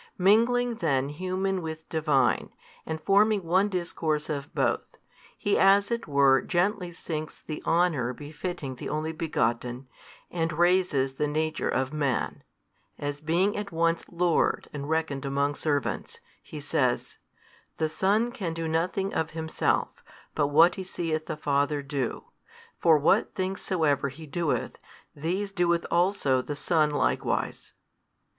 Mingling then human with Divine, and forming one discourse of both, He as it were gently sinks the honour befitting the Only Begotten, and raises the nature of man; as being at once Lord and reckoned among servants, He says, The Son can do nothing of Himself, but what He seeth the Father do: for what things soever He doeth, these doeth also the Son likewise.